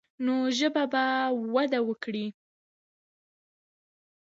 نو ژبه به وده وکړي.